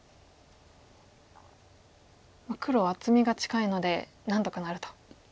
黒は厚みが近いので何とかなると。